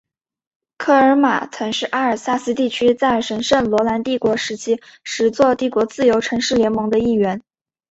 科尔马曾是阿尔萨斯地区在神圣罗马帝国时期十座帝国自由城市联盟的一员。